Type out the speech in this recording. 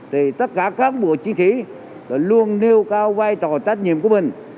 tất cả các bộ chiến sĩ luôn nêu cao vai trò tách nhiệm của mình